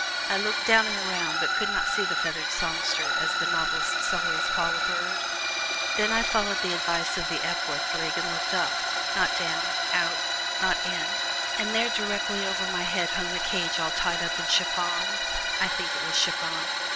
I looked down and around, but could not see the feathered songster, as the novelists always call a bird. Then I followed the advice of the Epworth League and looked up, not down, out, not in, and there directly over my head hung the cage all tied up in chiffon (I think it was chiffon).